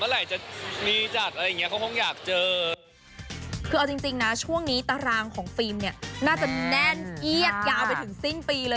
หรือตรางที่ของฟีมน่าจะแน่นลายไปถึงซื้นปี